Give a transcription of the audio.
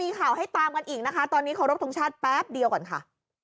มีข่าวให้ตามกันอีกนะคะตอนนี้เคารพทงชาติแป๊บเดียวก่อนค่ะ